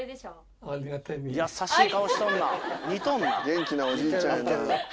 元気なおじいちゃんやな。